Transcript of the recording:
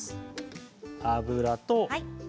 油と。